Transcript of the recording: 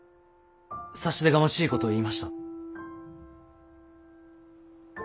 差し出がましいことを言いました。